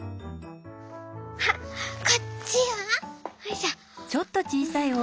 あっこっちは？よいしょ」。